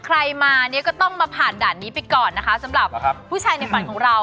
ใครมาเนี่ยก็ต้องมาผ่านด่านนี้ไปก่อนนะคะสำหรับผู้ชายในฝันของเรา